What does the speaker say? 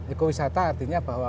ekowisata artinya bahwa